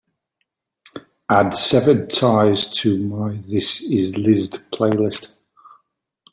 Add severed ties to my this is liszt playlist.